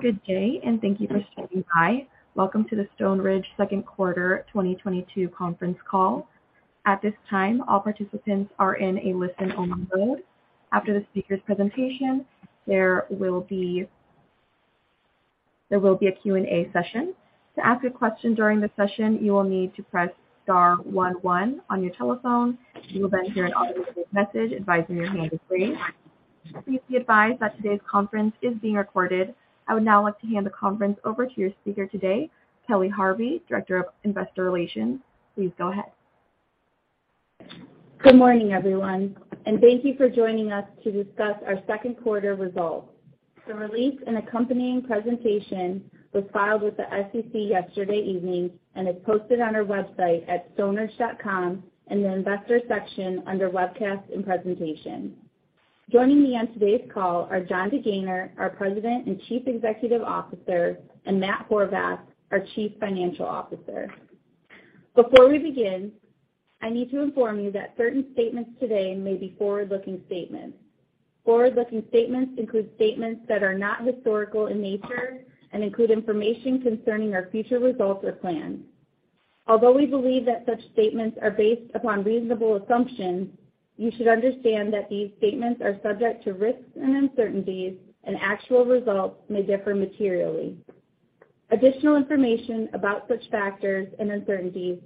Good day, and thank you for standing by. Welcome to the Stoneridge second quarter 2022 conference call. At this time, all participants are in a listen-only mode. After the speaker's presentation, there will be a Q&A session. To ask a question during the session, you will need to press star one one on your telephone. You will then hear an automated message advising your hand is raised. Please be advised that today's conference is being recorded. I would now like to hand the conference over to your speaker today, Kelly Harvey, Director of Investor Relations. Please go ahead. Good morning, everyone, and thank you for joining us to discuss our second quarter results. The release and accompanying presentation was filed with the SEC yesterday evening and is posted on our website at stoneridge.com in the investor section under Webcasts and Presentation. Joining me on today's call are Jon DeGaynor, our President and Chief Executive Officer, and Matt Horvath, our Chief Financial Officer. Before we begin, I need to inform you that certain statements today may be forward-looking statements. Forward-looking statements include statements that are not historical in nature and include information concerning our future results or plans. Although we believe that such statements are based upon reasonable assumptions, you should understand that these statements are subject to risks and uncertainties, and actual results may differ materially. Additional information about such factors and uncertainties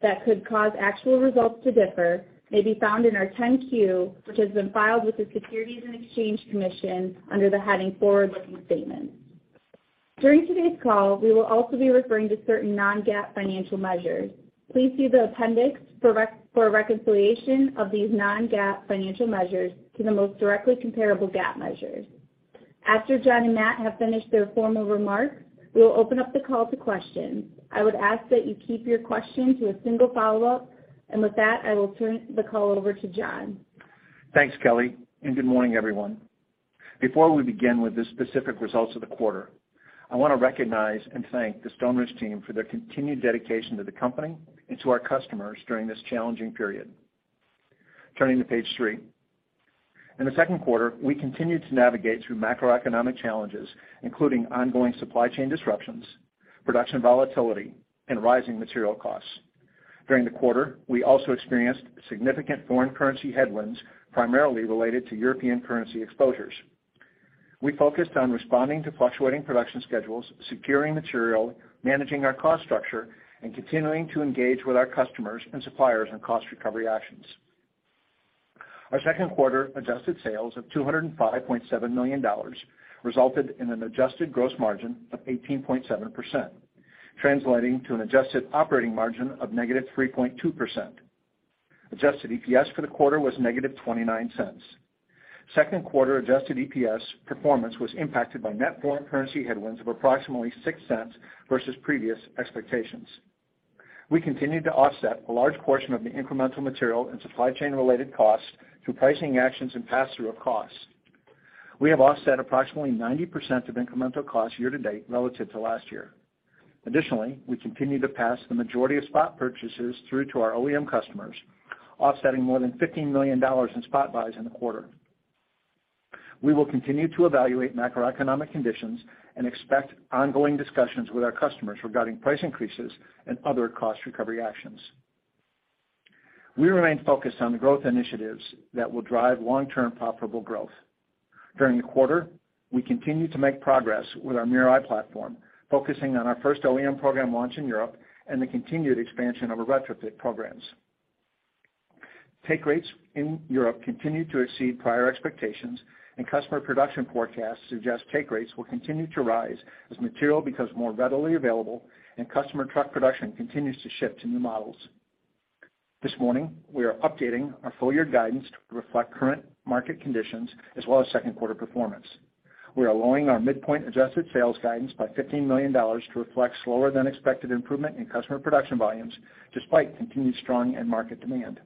that could cause actual results to differ may be found in our Form 10-Q, which has been filed with the Securities and Exchange Commission under the heading Forward-Looking Statements. During today's call, we will also be referring to certain non-GAAP financial measures. Please see the appendix for a reconciliation of these non-GAAP financial measures to the most directly comparable GAAP measures. After Jon and Matt have finished their formal remarks, we will open up the call to questions. I would ask that you keep your question to a single follow-up. With that, I will turn the call over to Jon. Thanks, Kelly, and good morning, everyone. Before we begin with the specific results of the quarter, I want to recognize and thank the Stoneridge team for their continued dedication to the company and to our customers during this challenging period. Turning to page three. In the second quarter, we continued to navigate through macroeconomic challenges, including ongoing supply chain disruptions, production volatility, and rising material costs. During the quarter, we also experienced significant foreign currency headwinds, primarily related to European currency exposures. We focused on responding to fluctuating production schedules, securing material, managing our cost structure, and continuing to engage with our customers and suppliers on cost recovery actions. Our second quarter adjusted sales of $205.7 million resulted in an adjusted gross margin of 18.7%, translating to an adjusted operating margin of -3.2%. Adjusted EPS for the quarter was -$0.29. Second quarter adjusted EPS performance was impacted by net foreign currency headwinds of approximately $0.06 versus previous expectations. We continued to offset a large portion of the incremental material and supply chain-related costs through pricing actions and passthrough of costs. We have offset approximately 90% of incremental costs year-to-date relative to last year. Additionally, we continue to pass the majority of spot purchases through to our OEM customers, offsetting more than $15 million in spot buys in the quarter. We will continue to evaluate macroeconomic conditions and expect ongoing discussions with our customers regarding price increases and other cost recovery actions. We remain focused on the growth initiatives that will drive long-term profitable growth. During the quarter, we continued to make progress with our MirrorEye platform, focusing on our first OEM program launch in Europe and the continued expansion of our retrofit programs. Take rates in Europe continued to exceed prior expectations, and customer production forecasts suggest take rates will continue to rise as material becomes more readily available and customer truck production continues to shift to new models. This morning, we are updating our full year guidance to reflect current market conditions as well as second quarter performance. We are lowering our midpoint adjusted sales guidance by $15 million to reflect slower than expected improvement in customer production volumes despite continued strong end market demand.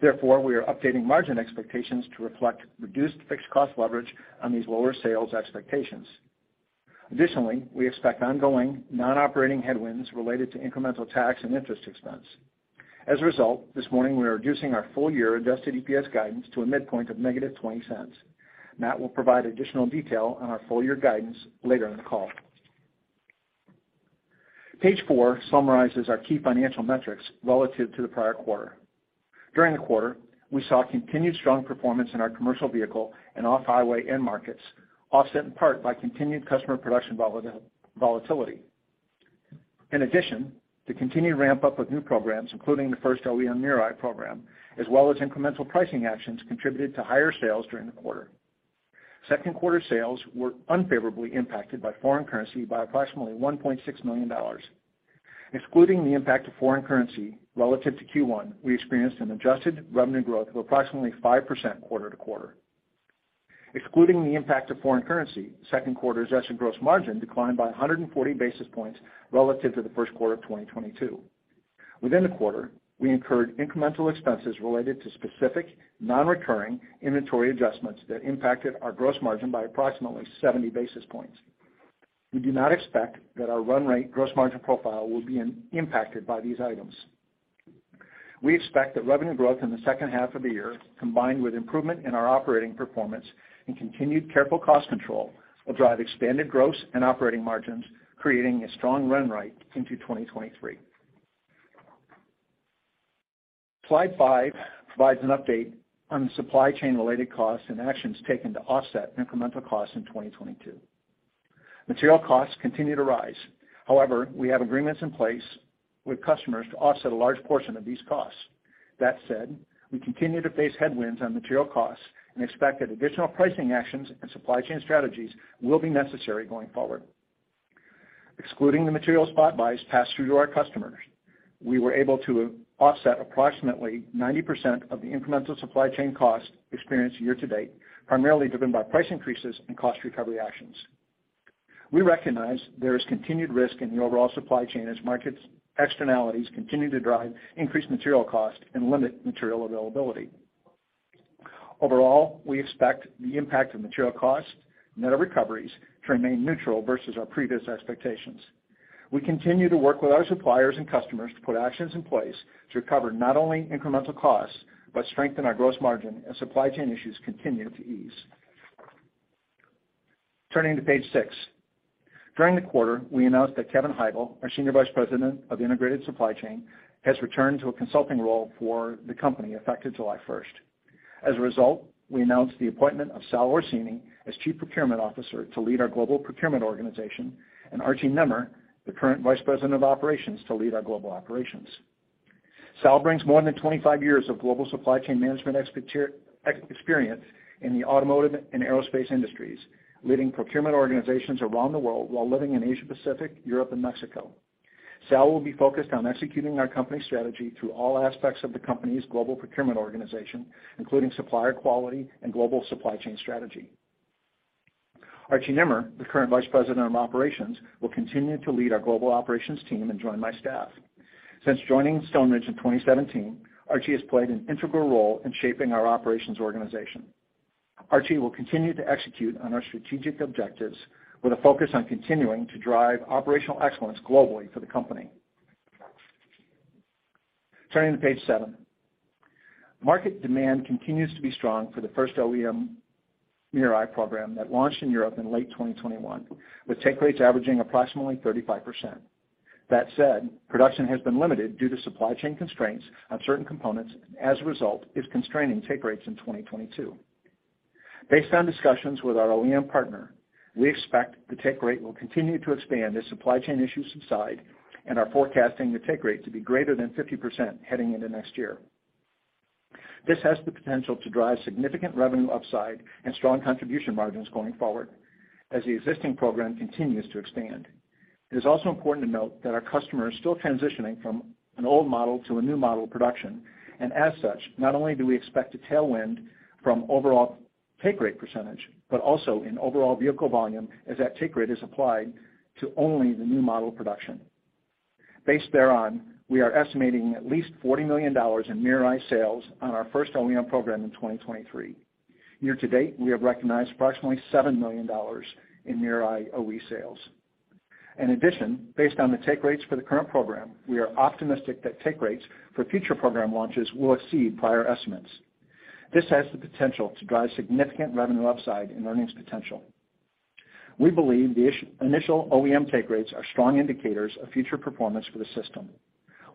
Therefore, we are updating margin expectations to reflect reduced fixed cost leverage on these lower sales expectations. Additionally, we expect ongoing non-operating headwinds related to incremental tax and interest expense. As a result, this morning, we are reducing our full year adjusted EPS guidance to a midpoint of -$0.20. Matt will provide additional detail on our full year guidance later in the call. Page four summarizes our key financial metrics relative to the prior quarter. During the quarter, we saw continued strong performance in our commercial vehicle and off-highway end markets, offset in part by continued customer production volatility. In addition, the continued ramp-up of new programs, including the first OEM MirrorEye program, as well as incremental pricing actions contributed to higher sales during the quarter. Second quarter sales were unfavorably impacted by foreign currency by approximately $1.6 million. Excluding the impact of foreign currency relative to Q1, we experienced an adjusted revenue growth of approximately 5% quarter to quarter. Excluding the impact of foreign currency, second quarter adjusted gross margin declined by 140 basis points relative to the first quarter of 2022. Within the quarter, we incurred incremental expenses related to specific non-recurring inventory adjustments that impacted our gross margin by approximately 70 basis points. We do not expect that our run rate gross margin profile will be impacted by these items. We expect that revenue growth in the second half of the year, combined with improvement in our operating performance and continued careful cost control, will drive expanded gross and operating margins, creating a strong run rate into 2023. Slide five provides an update on the supply chain-related costs and actions taken to offset incremental costs in 2022. Material costs continue to rise. However, we have agreements in place with customers to offset a large portion of these costs. That said, we continue to face headwinds on material costs and expect that additional pricing actions and supply chain strategies will be necessary going forward. Excluding the material spot buys passed through to our customers, we were able to offset approximately 90% of the incremental supply chain costs experienced year to date, primarily driven by price increases and cost recovery actions. We recognize there is continued risk in the overall supply chain as market externalities continue to drive increased material costs and limit material availability. Overall, we expect the impact of material costs, net of recoveries, to remain neutral versus our previous expectations. We continue to work with our suppliers and customers to put actions in place to recover not only incremental costs, but strengthen our gross margin as supply chain issues continue to ease. Turning to page six. During the quarter, we announced that Kevin Heigel, our Senior Vice President of Integrated Supply Chain, has returned to a consulting role for the company effective July first. As a result, we announced the appointment of Sal Orsini as Chief Procurement Officer to lead our global procurement organization, and Archie Nimmer, the current Vice President of Operations, to lead our global operations. Sal brings more than 25 years of global supply chain management experience in the automotive and aerospace industries, leading procurement organizations around the world while living in Asia Pacific, Europe, and Mexico. Sal will be focused on executing our company's strategy through all aspects of the company's global procurement organization, including supplier quality and global supply chain strategy. Archie Nimmer, the current Vice President of Operations, will continue to lead our global operations team and join my staff. Since joining Stoneridge in 2017, Archie has played an integral role in shaping our operations organization. Archie will continue to execute on our strategic objectives with a focus on continuing to drive operational excellence globally for the company. Turning to page seven. Market demand continues to be strong for the first OEM MirrorEye program that launched in Europe in late 2021, with take rates averaging approximately 35%. That said, production has been limited due to supply chain constraints on certain components and as a result is constraining take rates in 2022. Based on discussions with our OEM partner, we expect the take rate will continue to expand as supply chain issues subside and are forecasting the take rate to be greater than 50% heading into next year. This has the potential to drive significant revenue upside and strong contribution margins going forward as the existing program continues to expand. It is also important to note that our customer is still transitioning from an old model to a new model production. As such, not only do we expect a tailwind from overall take rate percentage, but also in overall vehicle volume as that take rate is applied to only the new model production. Based thereon, we are estimating at least $40 million in MirrorEye sales on our first OEM program in 2023. Year to date, we have recognized approximately $7 million in MirrorEye OE sales. In addition, based on the take rates for the current program, we are optimistic that take rates for future program launches will exceed prior estimates. This has the potential to drive significant revenue upside and earnings potential. We believe the initial OEM take rates are strong indicators of future performance for the system.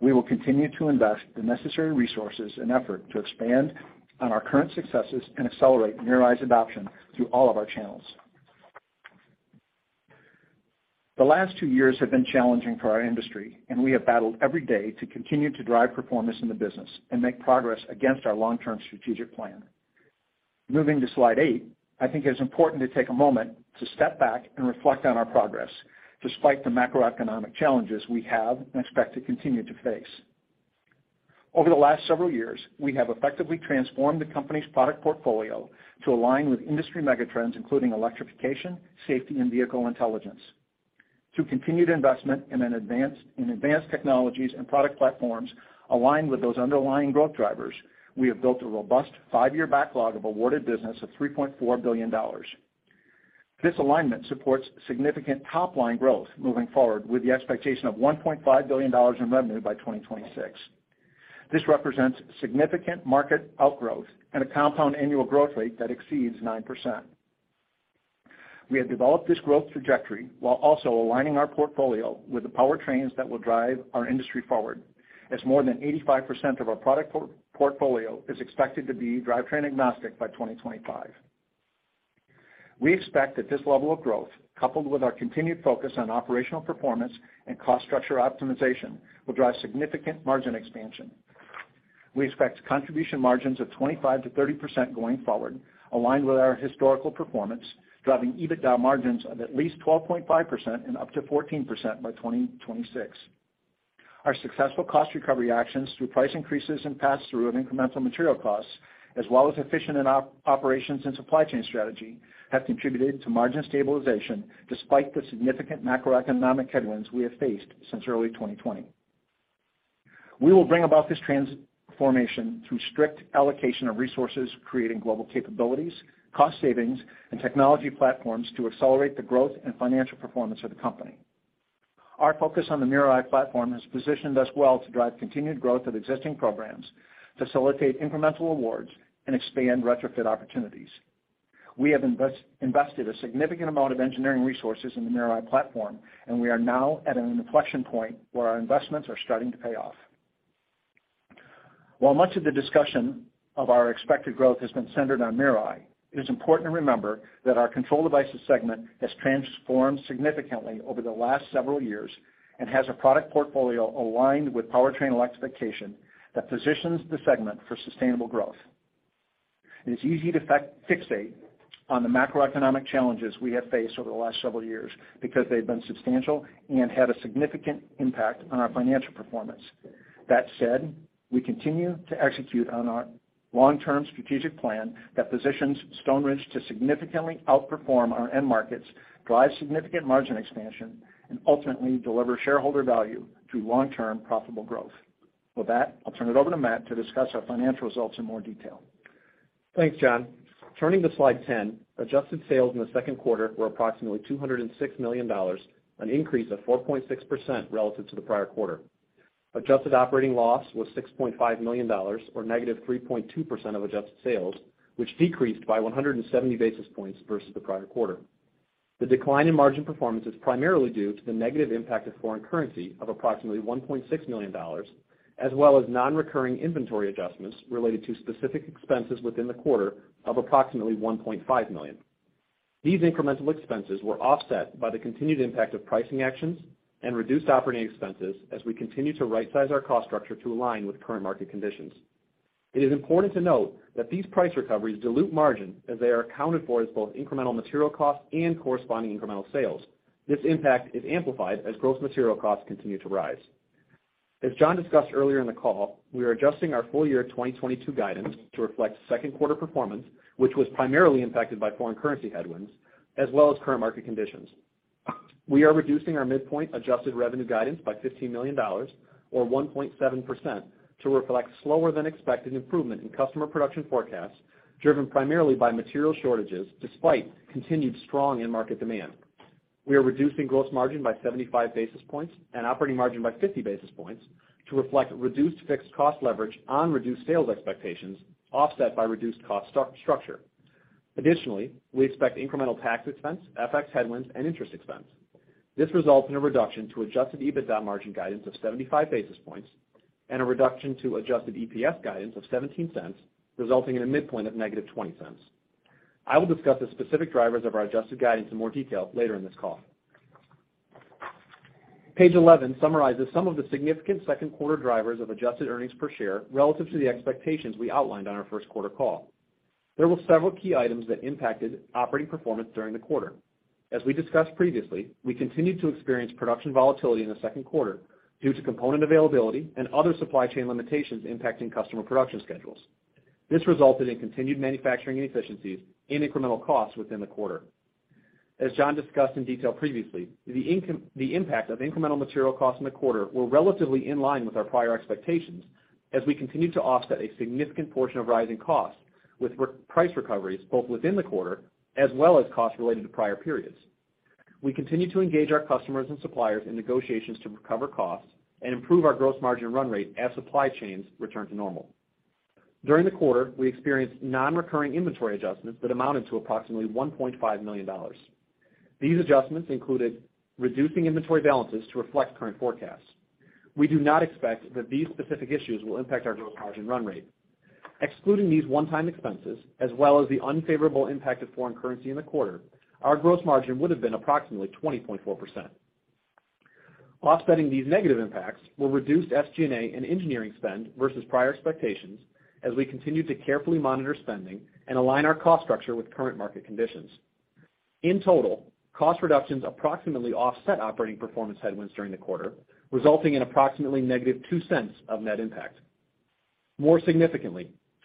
We will continue to invest the necessary resources and effort to expand on our current successes and accelerate MirrorEye's adoption through all of our channels. The last two years have been challenging for our industry, and we have battled every day to continue to drive performance in the business and make progress against our long-term strategic plan. Moving to slide eight, I think it's important to take a moment to step back and reflect on our progress despite the macroeconomic challenges we have and expect to continue to face. Over the last several years, we have effectively transformed the company's product portfolio to align with industry megatrends, including electrification, safety, and vehicle intelligence. Through continued investment in advanced technologies and product platforms aligned with those underlying growth drivers, we have built a robust five-year backlog of awarded business of $3.4 billion. This alignment supports significant top-line growth moving forward with the expectation of $1.5 billion in revenue by 2026. This represents significant market outgrowth and a compound annual growth rate that exceeds 9%. We have developed this growth trajectory while also aligning our portfolio with the powertrains that will drive our industry forward, as more than 85% of our product portfolio is expected to be drivetrain agnostic by 2025. We expect that this level of growth, coupled with our continued focus on operational performance and cost structure optimization, will drive significant margin expansion. We expect contribution margins of 25%-30% going forward, aligned with our historical performance, driving EBITDA margins of at least 12.5% and up to 14% by 2026. Our successful cost recovery actions through price increases and pass-through of incremental material costs, as well as efficient operations and supply chain strategy, have contributed to margin stabilization despite the significant macroeconomic headwinds we have faced since early 2020. We will bring about this transformation through strict allocation of resources, creating global capabilities, cost savings, and technology platforms to accelerate the growth and financial performance of the company. Our focus on the MirrorEye platform has positioned us well to drive continued growth of existing programs, facilitate incremental awards, and expand retrofit opportunities. We have invested a significant amount of engineering resources in the MirrorEye platform, and we are now at an inflection point where our investments are starting to pay off. While much of the discussion of our expected growth has been centered on MirrorEye, it is important to remember that our Control Devices segment has transformed significantly over the last several years and has a product portfolio aligned with powertrain electrification that positions the segment for sustainable growth. It is easy to fixate on the macroeconomic challenges we have faced over the last several years because they've been substantial and had a significant impact on our financial performance. That said, we continue to execute on our long-term strategic plan that positions Stoneridge to significantly outperform our end markets, drive significant margin expansion, and ultimately deliver shareholder value through long-term profitable growth. With that, I'll turn it over to Matt to discuss our financial results in more detail. Thanks, Jon. Turning to slide 10, adjusted sales in the second quarter were approximately $206 million, an increase of 4.6% relative to the prior quarter. Adjusted operating loss was $6.5 million or -3.2% of adjusted sales, which decreased by 170 basis points versus the prior quarter. The decline in margin performance is primarily due to the negative impact of foreign currency of approximately $1.6 million, as well as non-recurring inventory adjustments related to specific expenses within the quarter of approximately $1.5 million. These incremental expenses were offset by the continued impact of pricing actions and reduced operating expenses as we continue to rightsize our cost structure to align with current market conditions. It is important to note that these price recoveries dilute margin as they are accounted for as both incremental material costs and corresponding incremental sales. This impact is amplified as gross material costs continue to rise. As Jon discussed earlier in the call, we are adjusting our full year 2022 guidance to reflect second quarter performance, which was primarily impacted by foreign currency headwinds as well as current market conditions. We are reducing our midpoint adjusted revenue guidance by $15 million or 1.7% to reflect slower than expected improvement in customer production forecasts, driven primarily by material shortages despite continued strong end market demand. We are reducing gross margin by 75 basis points and operating margin by 50 basis points to reflect reduced fixed cost leverage on reduced sales expectations, offset by reduced cost structure. Additionally, we expect incremental tax expense, FX headwinds, and interest expense. This results in a reduction to adjusted EBITDA margin guidance of 75 basis points and a reduction to adjusted EPS guidance of $0.17, resulting in a midpoint of -$0.20. I will discuss the specific drivers of our adjusted guidance in more detail later in this call. Page 11 summarizes some of the significant second quarter drivers of adjusted earnings per share relative to the expectations we outlined on our first quarter call. There were several key items that impacted operating performance during the quarter. As we discussed previously, we continued to experience production volatility in the second quarter due to component availability and other supply chain limitations impacting customer production schedules. This resulted in continued manufacturing inefficiencies and incremental costs within the quarter. As Jon discussed in detail previously, the impact of incremental material costs in the quarter were relatively in line with our prior expectations as we continued to offset a significant portion of rising costs with price recoveries, both within the quarter as well as costs related to prior periods. We continue to engage our customers and suppliers in negotiations to recover costs and improve our gross margin run rate as supply chains return to normal. During the quarter, we experienced non-recurring inventory adjustments that amounted to approximately $1.5 million. These adjustments included reducing inventory balances to reflect current forecasts. We do not expect that these specific issues will impact our gross margin run rate. Excluding these one-time expenses as well as the unfavorable impact of foreign currency in the quarter, our gross margin would have been approximately 20.4%. Offsetting these negative impacts were reduced SG&A and engineering spend versus prior expectations as we continue to carefully monitor spending and align our cost structure with current market conditions. In total, cost reductions approximately offset operating performance headwinds during the quarter, resulting in approximately -$0.02 of net impact.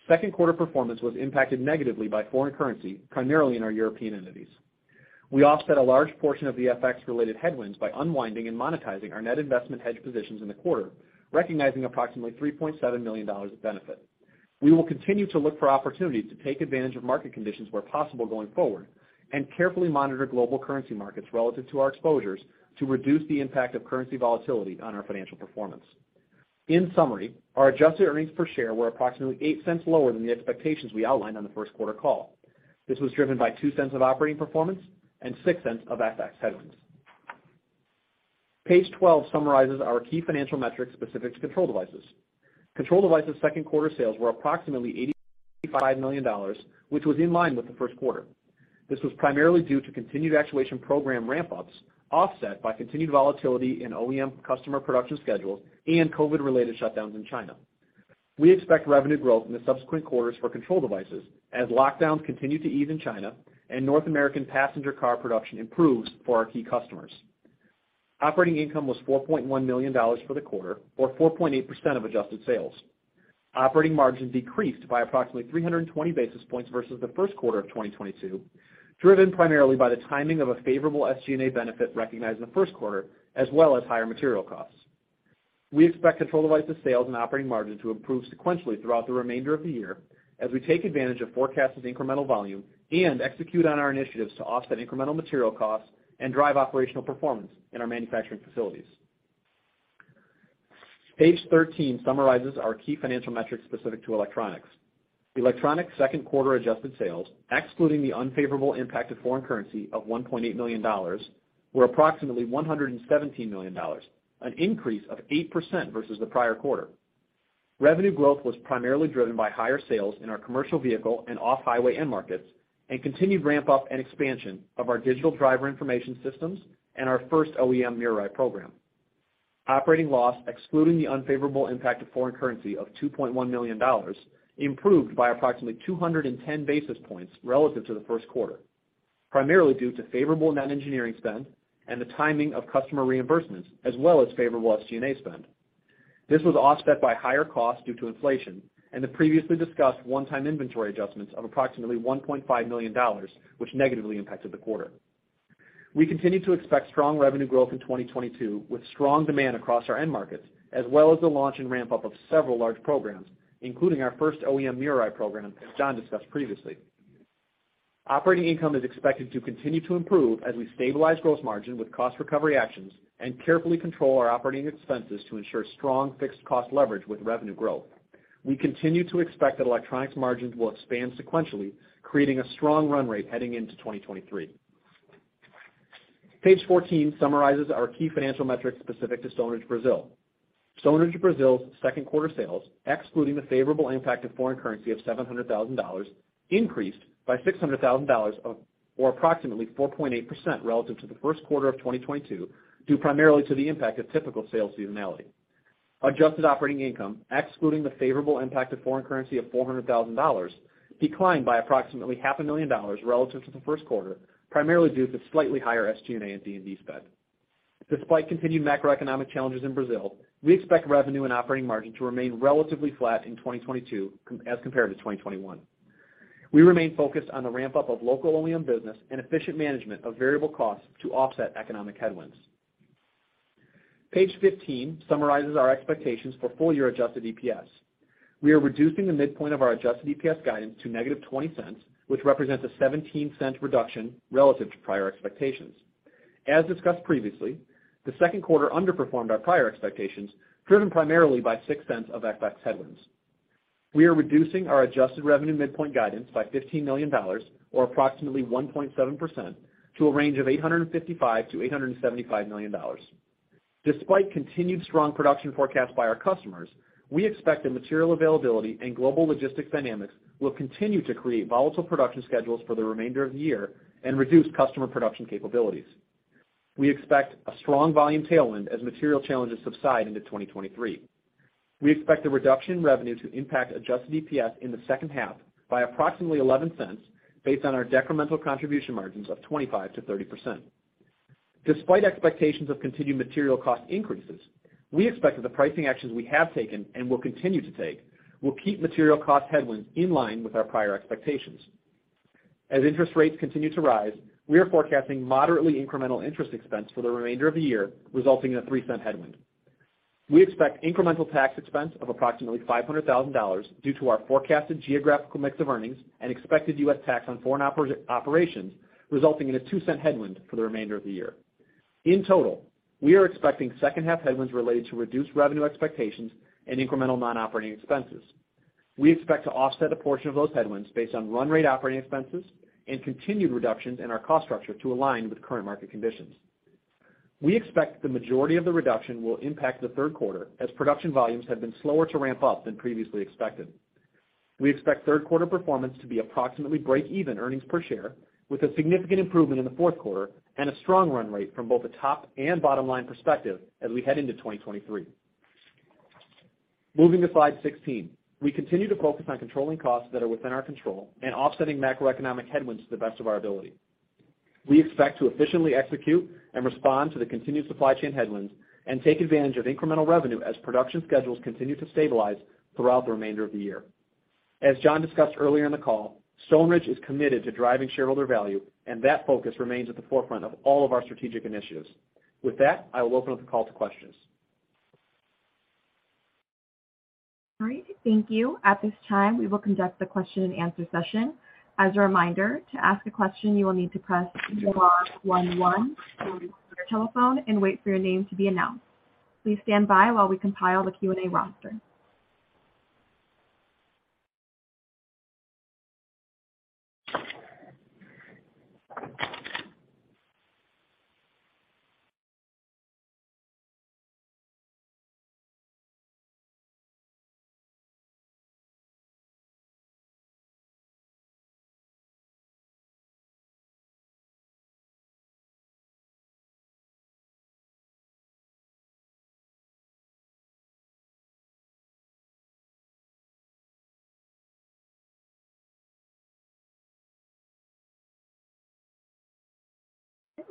More significantly, second quarter performance was impacted negatively by foreign currency, primarily in our European entities. We offset a large portion of the FX-related headwinds by unwinding and monetizing our net investment hedge positions in the quarter, recognizing approximately $3.7 million of benefit. We will continue to look for opportunities to take advantage of market conditions where possible going forward and carefully monitor global currency markets relative to our exposures to reduce the impact of currency volatility on our financial performance. In summary, our adjusted earnings per share were approximately $0.08 lower than the expectations we outlined on the first quarter call. This was driven by $0.02 of operating performance and $0.06 of FX headwinds. Page 12 summarizes our key financial metrics specific to Control Devices. Control Devices second quarter sales were approximately $85 million, which was in line with the first quarter. This was primarily due to continued actuation program ramp-ups, offset by continued volatility in OEM customer production schedules and COVID-related shutdowns in China. We expect revenue growth in the subsequent quarters for Control Devices as lockdowns continue to ease in China and North American passenger car production improves for our key customers. Operating income was $4.1 million for the quarter or 4.8% of adjusted sales. Operating margin decreased by approximately 320 basis points versus the first quarter of 2022, driven primarily by the timing of a favorable SG&A benefit recognized in the first quarter, as well as higher material costs. We expect Control Devices sales and operating margin to improve sequentially throughout the remainder of the year as we take advantage of forecasted incremental volume and execute on our initiatives to offset incremental material costs and drive operational performance in our manufacturing facilities. Page 13 summarizes our key financial metrics specific to Electronics. Electronics second quarter adjusted sales, excluding the unfavorable impact of foreign currency of $1.8 million, were approximately $117 million, an increase of 8% versus the prior quarter. Revenue growth was primarily driven by higher sales in our commercial vehicle and off-highway end markets and continued ramp-up and expansion of our digital driver information systems and our first OEM MirrorEye program. Operating loss, excluding the unfavorable impact of foreign currency of $2.1 million, improved by approximately 210 basis points relative to the first quarter, primarily due to favorable net engineering spend and the timing of customer reimbursements as well as favorable SG&A spend. This was offset by higher costs due to inflation and the previously discussed one-time inventory adjustments of approximately $1.5 million, which negatively impacted the quarter. We continue to expect strong revenue growth in 2022 with strong demand across our end markets, as well as the launch and ramp-up of several large programs, including our first OEM MirrorEye program, as Jon discussed previously. Operating income is expected to continue to improve as we stabilize gross margin with cost recovery actions and carefully control our operating expenses to ensure strong fixed cost leverage with revenue growth. We continue to expect that electronics margins will expand sequentially, creating a strong run rate heading into 2023. Page 14 summarizes our key financial metrics specific to Stoneridge Brazil. Stoneridge Brazil's second quarter sales, excluding the favorable impact of foreign currency of $700,000, increased by $600,000, or approximately 4.8% relative to the first quarter of 2022, due primarily to the impact of typical sales seasonality. Adjusted operating income, excluding the favorable impact of foreign currency of $400,000, declined by approximately half a million dollars relative to the first quarter, primarily due to slightly higher SG&A and D&D spend. Despite continued macroeconomic challenges in Brazil, we expect revenue and operating margin to remain relatively flat in 2022 as compared to 2021. We remain focused on the ramp-up of local OEM business and efficient management of variable costs to offset economic headwinds. Page 15 summarizes our expectations for full-year adjusted EPS. We are reducing the midpoint of our adjusted EPS guidance to -$0.20, which represents a $0.17 reduction relative to prior expectations. As discussed previously, the second quarter underperformed our prior expectations, driven primarily by $0.06 of FX headwinds. We are reducing our adjusted revenue midpoint guidance by $15 million or approximately 1.7% to a range of $855 million-$875 million. Despite continued strong production forecast by our customers, we expect the material availability and global logistics dynamics will continue to create volatile production schedules for the remainder of the year and reduce customer production capabilities. We expect a strong volume tailwind as material challenges subside into 2023. We expect the reduction in revenue to impact adjusted EPS in the second half by approximately $0.11 based on our decremental contribution margins of 25%-30%. Despite expectations of continued material cost increases, we expect that the pricing actions we have taken and will continue to take will keep material cost headwinds in line with our prior expectations. As interest rates continue to rise, we are forecasting moderately incremental interest expense for the remainder of the year, resulting in a $0.03 headwind. We expect incremental tax expense of approximately $500,000 due to our forecasted geographical mix of earnings and expected U.S. tax on foreign operations, resulting in a $0.02 headwind for the remainder of the year. In total, we are expecting second half headwinds related to reduced revenue expectations and incremental non-operating expenses. We expect to offset a portion of those headwinds based on run rate operating expenses and continued reductions in our cost structure to align with current market conditions. We expect the majority of the reduction will impact the third quarter as production volumes have been slower to ramp up than previously expected. We expect third quarter performance to be approximately breakeven earnings per share with a significant improvement in the fourth quarter and a strong run rate from both a top and bottom line perspective as we head into 2023. Moving to slide 16. We continue to focus on controlling costs that are within our control and offsetting macroeconomic headwinds to the best of our ability. We expect to efficiently execute and respond to the continued supply chain headwinds and take advantage of incremental revenue as production schedules continue to stabilize throughout the remainder of the year. As Jon discussed earlier in the call, Stoneridge is committed to driving shareholder value, and that focus remains at the forefront of all of our strategic initiatives. With that, I will open up the call to questions. All right. Thank you. At this time, we will conduct the question-and-answer session. As a reminder, to ask a question, you will need to press star one one from your telephone and wait for your name to be announced. Please stand by while we compile the Q&A roster.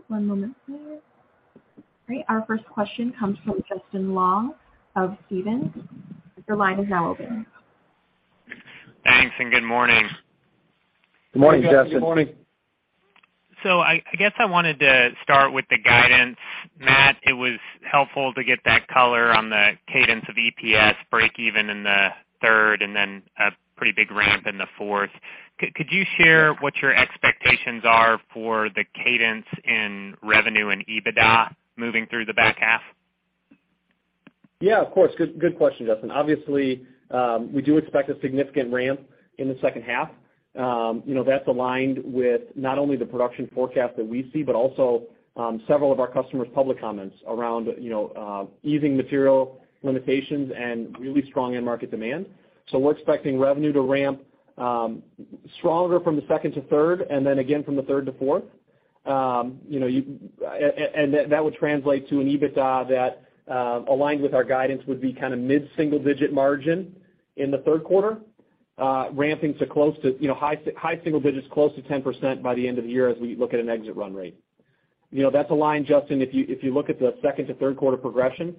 One moment please. Great. Our first question comes from Justin Long of Stephens. Your line is now open. Thanks, and good morning. Good morning, Justin. Good morning. I guess I wanted to start with the guidance. Matt, it was helpful to get that color on the cadence of EPS breakeven in the third and then a pretty big ramp in the fourth. Could you share what your expectations are for the cadence in revenue and EBITDA moving through the back half? Yeah, of course. Good question, Justin. Obviously, we do expect a significant ramp in the second half. You know, that's aligned with not only the production forecast that we see but also several of our customers' public comments around, you know, easing material limitations and really strong end market demand. We're expecting revenue to ramp stronger from the second to third and then again from the third to fourth. You know, and that would translate to an EBITDA that, aligned with our guidance, would be kinda mid-single-digit margin in the third quarter, ramping to close to, you know, high single digits, close to 10% by the end of the year as we look at an exit run rate. You know, that's aligned, Justin, if you look at the second to third quarter progression,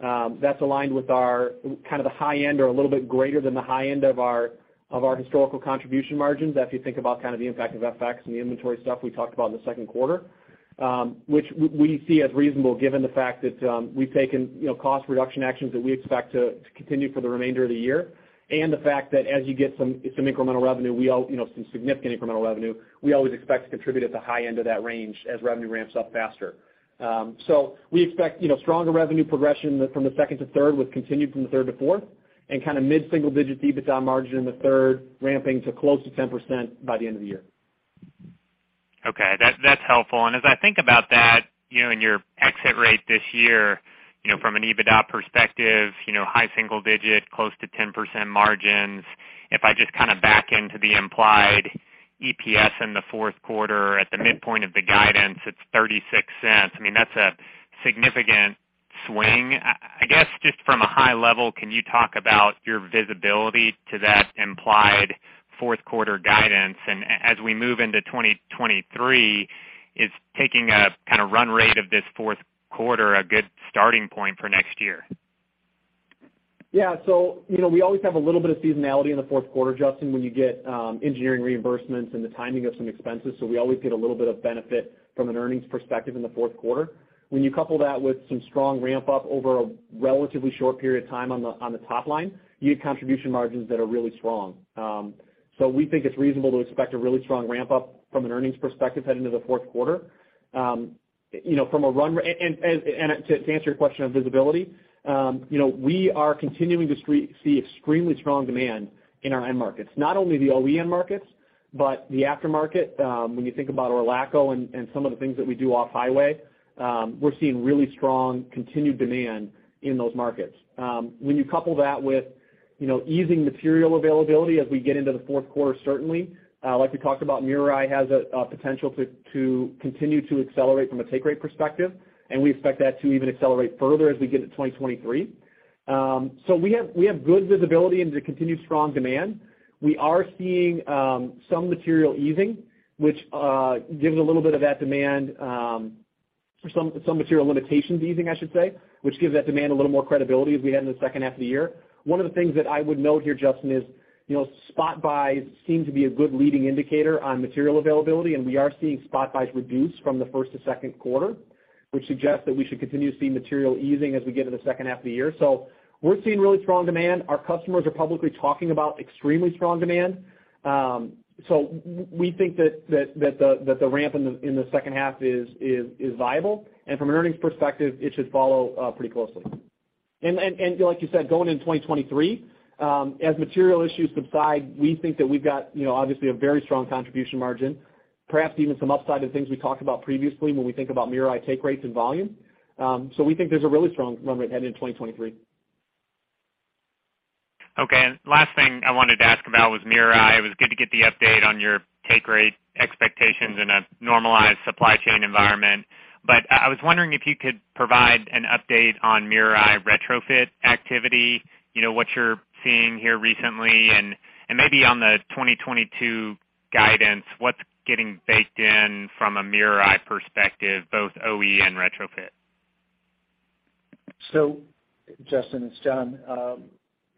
that's aligned with our kind of the high end or a little bit greater than the high end of our historical contribution margins, if you think about kind of the impact of FX and the inventory stuff we talked about in the second quarter, which we see as reasonable given the fact that we've taken, you know, cost reduction actions that we expect to continue for the remainder of the year, and the fact that as you get some significant incremental revenue, you know, we always expect to contribute at the high end of that range as revenue ramps up faster. We expect, you know, stronger revenue progression from the second to third with continued from the third to fourth and kinda mid-single digits EBITDA margin in the third, ramping to close to 10% by the end of the year. Okay, that's helpful. As I think about that, you know, in your exit rate this year, you know, from an EBITDA perspective, you know, high single digit, close to 10% margins, if I just kinda back into the implied EPS in the fourth quarter at the midpoint of the guidance, it's $0.36. I mean, that's a significant swing. I guess, just from a high level, can you talk about your visibility to that implied fourth quarter guidance? As we move into 2023, is taking a kinda run rate of this fourth quarter a good starting point for next year? Yeah. You know, we always have a little bit of seasonality in the fourth quarter, Justin, when you get engineering reimbursements and the timing of some expenses, so we always get a little bit of benefit from an earnings perspective in the fourth quarter. When you couple that with some strong ramp up over a relatively short period of time on the top line, you get contribution margins that are really strong. We think it's reasonable to expect a really strong ramp up from an earnings perspective heading into the fourth quarter. You know, to answer your question on visibility, you know, we are continuing to see extremely strong demand in our end markets. Not only the OE end markets, but the aftermarket. When you think about Orlaco and some of the things that we do off-highway, we're seeing really strong continued demand in those markets. When you couple that with, you know, easing material availability as we get into the fourth quarter, certainly, like we talked about, MirrorEye has a potential to continue to accelerate from a take rate perspective, and we expect that to even accelerate further as we get into 2023. So we have good visibility into continued strong demand. We are seeing some material easing, which gives a little bit of that demand, or some material limitations easing, I should say, which gives that demand a little more credibility as we head into the second half of the year. One of the things that I would note here, Justin, is, you know, spot buys seem to be a good leading indicator on material availability, and we are seeing spot buys reduce from the first to second quarter, which suggests that we should continue to see material easing as we get to the second half of the year. We're seeing really strong demand. Our customers are publicly talking about extremely strong demand. We think that the ramp in the second half is viable. From an earnings perspective, it should follow pretty closely. Like you said, going in 2023, as material issues subside, we think that we've got, you know, obviously a very strong contribution margin, perhaps even some upside to things we talked about previously when we think about MirrorEye take rates and volume. We think there's a really strong run rate heading in 2023. Okay. Last thing I wanted to ask about was MirrorEye. It was good to get the update on your take rate expectations in a normalized supply chain environment. I was wondering if you could provide an update on MirrorEye retrofit activity, you know, what you're seeing here recently and maybe on the 2022 guidance, what's getting baked in from a MirrorEye perspective, both OE and retrofit. Justin, it's Jon. You know,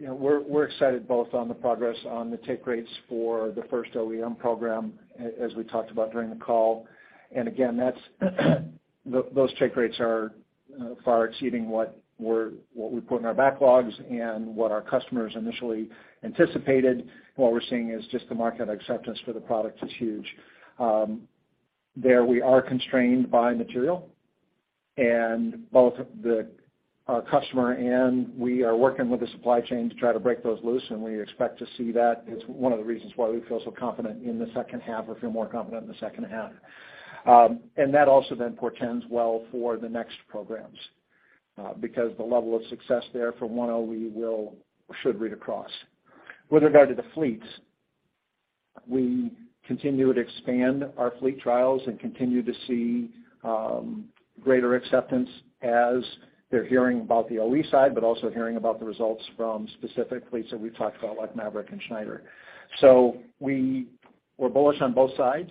we're excited both on the progress on the take rates for the first OEM program, as we talked about during the call. Again, that's those take rates are far exceeding what we put in our backlogs and what our customers initially anticipated. What we're seeing is just the market acceptance for the product is huge. There we are constrained by material, and both our customer and we are working with the supply chain to try to break those loose, and we expect to see that. It's one of the reasons why we feel so confident in the second half, or feel more confident in the second half. That also then portends well for the next programs, because the level of success there from one OE will or should read across. With regard to the fleets, we continue to expand our fleet trials and continue to see greater acceptance as they're hearing about the OE side, but also hearing about the results from specific fleets that we've talked about, like Maverick and Schneider. We're bullish on both sides.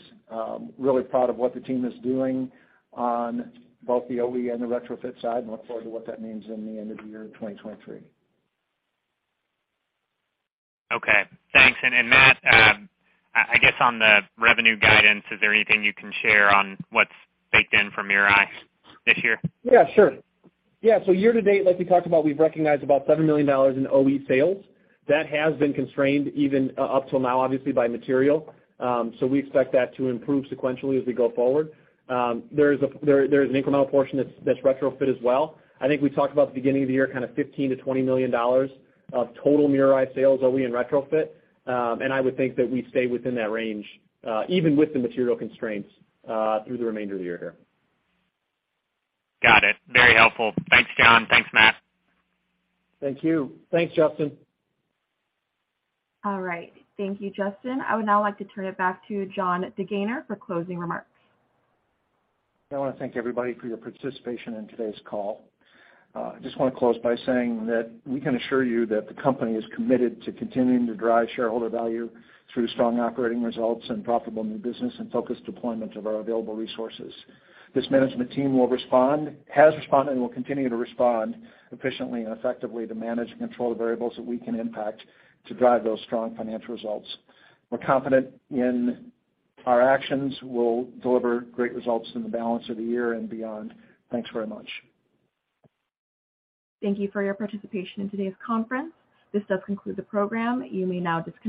Really proud of what the team is doing on both the OE and the retrofit side, and look forward to what that means in the end of the year in 2023. Okay. Thanks. Matt, I guess on the revenue guidance, is there anything you can share on what's baked in from MirrorEye this year? Yeah, sure. Yeah. Year to date, like we talked about, we've recognized about $7 million in OE sales. That has been constrained even up till now, obviously by material. We expect that to improve sequentially as we go forward. There is an incremental portion that's retrofit as well. I think we talked about at the beginning of the year kind of $15 million-$20 million of total MirrorEye sales OE and retrofit. I would think that we stay within that range, even with the material constraints, through the remainder of the year here. Got it. Very helpful. Thanks, Jon. Thanks, Matt. Thank you. Thanks, Justin. All right. Thank you, Justin. I would now like to turn it back to Jon DeGaynor for closing remarks. I wanna thank everybody for your participation in today's call. I just wanna close by saying that we can assure you that the company is committed to continuing to drive shareholder value through strong operating results and profitable new business and focused deployment of our available resources. This management team will respond, has responded, and will continue to respond efficiently and effectively to manage and control the variables that we can impact to drive those strong financial results. We're confident in our actions. We'll deliver great results in the balance of the year and beyond. Thanks very much. Thank you for your participation in today's conference. This does conclude the program. You may now disconnect.